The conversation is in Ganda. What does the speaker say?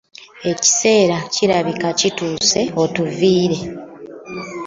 Ekiseera kirabika kituuse otuviire.